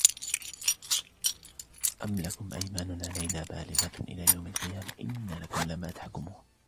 أَمْ لَكُمْ أَيْمَانٌ عَلَيْنَا بَالِغَةٌ إِلَى يَوْمِ الْقِيَامَةِ إِنَّ لَكُمْ لَمَا تَحْكُمُونَ